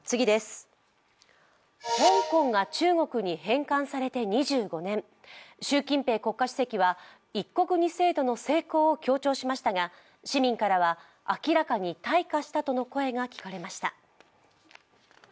香港が中国に返還されて２５年、習近平国家主席は、一国二制度の成功を強調しましたが市民からは、明らかに退化したとの声が聞かれました。